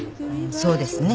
そうですね。